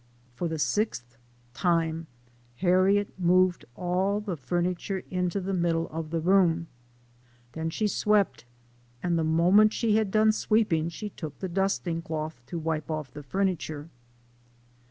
For the sixth time Har riet removed all the furniture into the middle of the room; then she swept; and the moment she had done sweeping, she took the dusting cloth to wipe off the furniture.